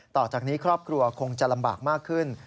ต่อจากนี้ครอบครัวคงจะลำบากมากขึ้น